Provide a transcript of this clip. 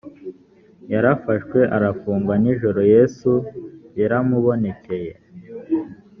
yarafashwe arafungwa nijoro yesu yaramubonekeye